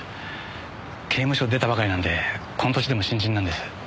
刑務所出たばかりなんでこの歳でも新人なんです。